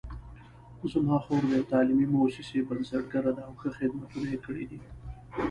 زما خور د یوې تعلیمي مؤسسې بنسټګره ده او ښه خدمتونه یې کړي دي